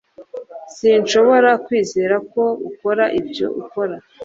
sinshobora kwizera ko ukora ibyo ukora